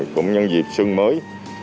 cũng nhân dịp sưng mới